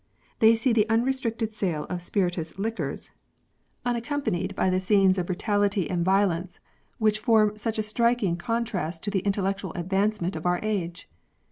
They see the unrestricted sale of spirituous liquors, unaccompanied by the scenes of THIEVING. 119 brutality and violence whicli form such a striking contrast to the intellectual advancement of our age.